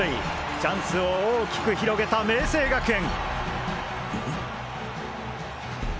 チャンスを大きく広げた明青学園！